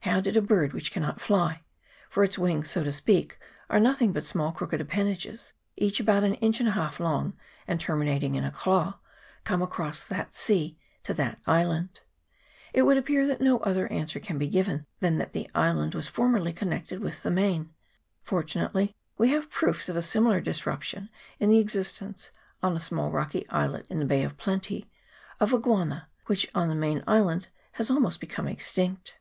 How did a bird which cannot fly for its wings, so to speak, are nothing but small crooked appendages, each about an inch and a half long, and terminating in a claw come across the sea to that island ? It would appear that no 234 THE GUANA. [PART II. other answer can be given than that the island was formerly connected with the main. Fortunately we have proofs of a similar disruption in the exist ence, on a small rocky islet in the Bay of Plenty, of a guana, which on the main has almost become extinct.